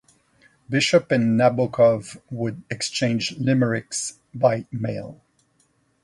Bishop and Nabokov would exchange limericks by mail.